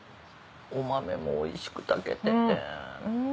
お豆もおいしく炊けてて。